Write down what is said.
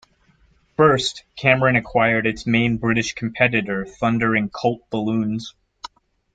First, Cameron acquired its main British competitor Thunder and Colt Balloons.